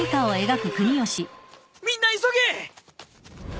みんな急げ！